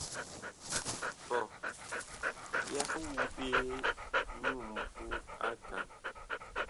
Kɔh yah wu ɓe nyu ŋmbu atan.